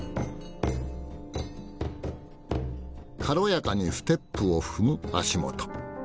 軽やかにステップを踏む足元。